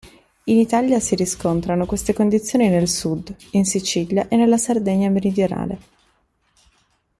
In Italia si riscontrano queste condizioni nel sud, in Sicilia e nella Sardegna meridionale.